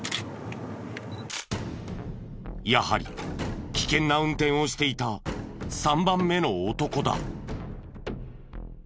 やはり危険な運転をしていた３番目の男だ。